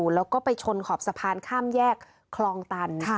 แล้วก็ไปชนขอบสะพานข้ามแยกคลองตัน